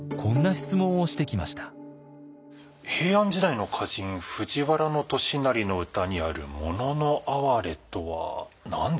平安時代の歌人藤原俊成の歌にある「物のあはれ」とは何でしょうか？